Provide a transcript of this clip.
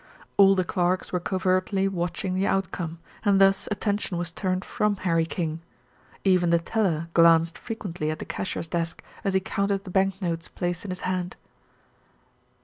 All the clerks were covertly watching the outcome, and thus attention was turned from Harry King; even the teller glanced frequently at the cashier's desk as he counted the bank notes placed in his hand.